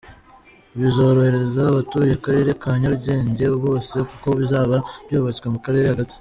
Bizorohereza abatuye akarere ka Nyarugenge bose kuko bizaba byubatswe mu karere hagati.